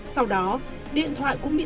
sau đó điện thoại cũng được